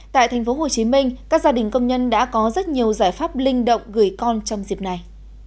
tại tp hcm các gia đình công nhân đã có rất nhiều giải pháp linh động gửi con trong dịp này